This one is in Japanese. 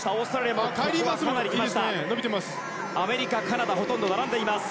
アメリカ、カナダほとんど並んでいます。